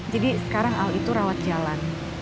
jadi sekarang al itu rawat jalan